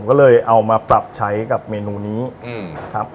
ก็เลยเอามาปรับใช้กับเมนูนี้นะครับ